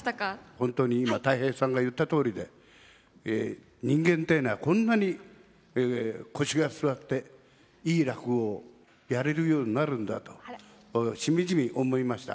本当に今たい平さんが言ったとおりで人間っていうのはこんなに腰が据わっていい落語をやれるようになるんだとしみじみ思いました。